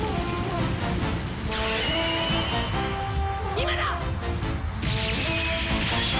「今だ！」